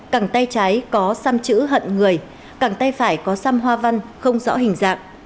cẳng tay trái có xăm chữ hận người cẳng tay phải có xăm hoa văn không rõ hình dạng